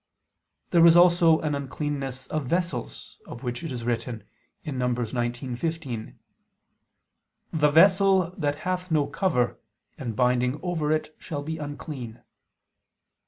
There was also an uncleanness of vessels, of which it is written (Num. 19:15): "The vessel that hath no cover, and binding over it, shall be unclean."